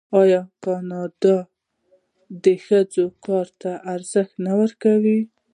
آیا کاناډا د ښځو کار ته ارزښت نه ورکوي؟